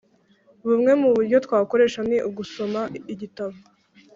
Bumwe mu buryo twakoresha ni ugusoma Igitabo